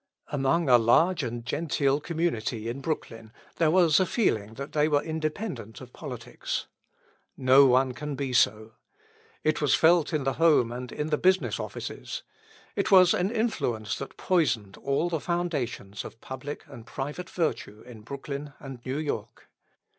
Among a large and genteel community in Brooklyn there was a feeling that they were independent of politics. No one can be so. It was felt in the home and in the business offices. It was an influence that poisoned all the foundations of public and private virtue in Brooklyn and New York.